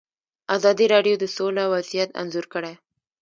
ازادي راډیو د سوله وضعیت انځور کړی.